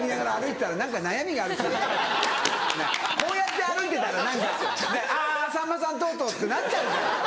こうやって歩いてたら何か「あぁさんまさんとうとう」ってなっちゃうじゃん。